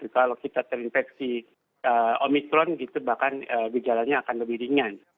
kalau kita terinfeksi omicron itu bahkan berjalannya akan lebih ringan